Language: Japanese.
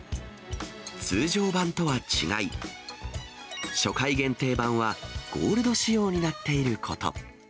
通常版とは違い、初回限定盤はゴールド仕様になっていること。